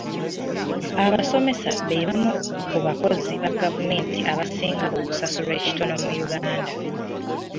Abasomesa be bamu ku bakozi ba gavumenti abasinga okusasulwa ekitono mu Uganda.